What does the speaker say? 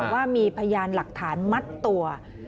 ว่ามีพยานหลักฐานมัดตัว